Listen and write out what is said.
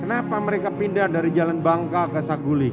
kenapa mereka pindah dari jalan bangka ke saguling